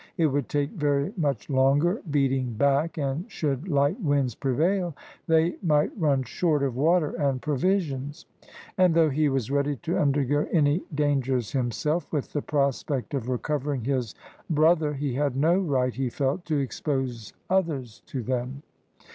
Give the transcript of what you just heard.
It would take very much longer beating back, and should light winds prevail they might run short of water and provisions; and though he was ready to undergo any dangers himself, with the prospect of recovering his brother, he had no right, he felt, to expose others to them.